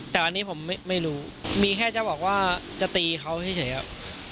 แต่อันนี้ผมไม่รู้มีแค่จะบอกว่าจะตีเขาเฉยครับ